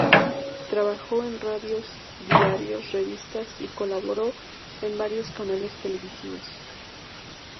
Trabajó en radios, diarios, revistas, y colaboró en varios canales televisivos.